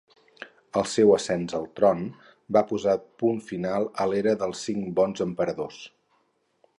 El seu ascens al tron va posar punt final a l'era dels cinc Bons Emperadors.